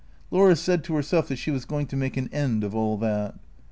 Laura said to herself that she was going to make an end of all that.